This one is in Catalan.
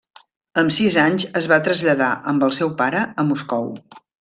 Amb sis anys es va traslladar, amb el seu pare, a Moscou.